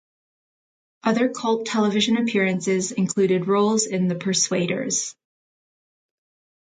Other cult television appearances included roles in The Persuaders!